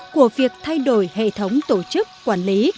của việc thay đổi hệ thống tổ chức quản lý